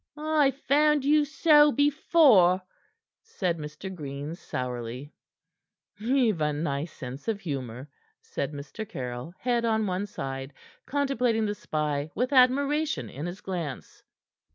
"I've found you so before," said Mr. Green sourly. "Ye've a nice sense of humor," said Mr. Caryll, head on one side, contemplating the spy with admiration in his glance.